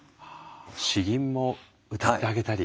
詩吟もうたってあげたり。